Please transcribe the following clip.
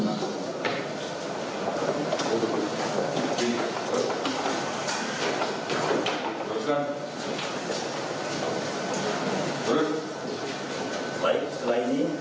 baik setelah ini silakan di bawah